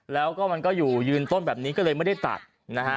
แล้วก็มันก็อยู่ยืนต้นแบบนี้ก็เลยไม่ได้ตัดนะฮะ